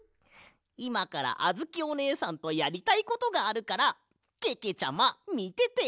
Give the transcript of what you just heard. いまからあづきおねえさんとやりたいことがあるからけけちゃまみてて。